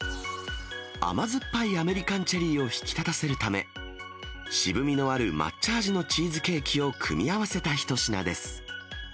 甘酸っぱいアメリカンチェリーを引き立たせるため、渋みのある抹茶味のチーズケーキを組み合わせた一品です。